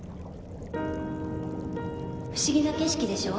不思議な景色でしょ。